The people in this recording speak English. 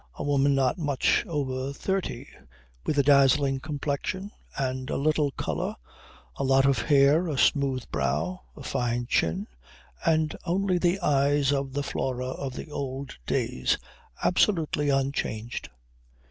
A woman not much over thirty, with a dazzling complexion and a little colour, a lot of hair, a smooth brow, a fine chin, and only the eyes of the Flora of the old days, absolutely unchanged.